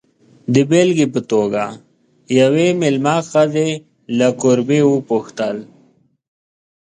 د بېلګې په توګه، یوې مېلمه ښځې له کوربې وپوښتل.